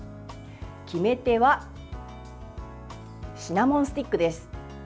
決め手はシナモンスティックです。